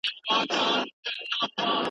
نیکه له پلاره ورکي لاري په میراث راوړي `